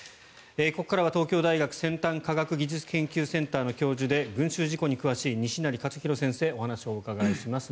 ここからは東京大学先端科学技術研究センターの教授で群衆事故に詳しい西成活裕先生にお話をお伺いします。